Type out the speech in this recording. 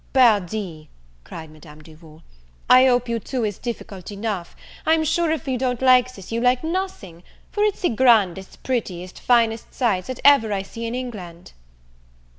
"Pardi," cried Madame Duval, "I hope you two is difficult enough! I'm sure if you don't like this you like nothing; for it's the grandest, prettiest, finest sight that ever I see in England."